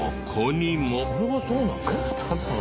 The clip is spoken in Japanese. これがそうなの？